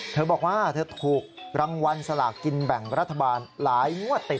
เธอบอกว่าเธอถูกรางวัลสลากกินแบ่งรัฐบาลหลายงวดติด